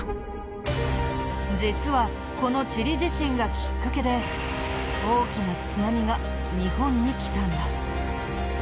実はこのチリ地震がきっかけで大きな津波が日本に来たんだ。